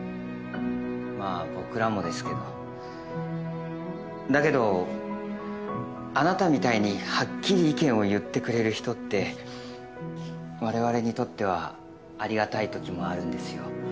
まあ僕らもですけど。だけどあなたみたいにはっきり意見を言ってくれる人ってわれわれにとってはありがたいときもあるんですよ。